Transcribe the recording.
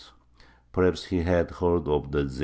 Perhaps he had heard of the Zeni.